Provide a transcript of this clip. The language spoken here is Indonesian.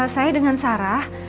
saya dengan sarah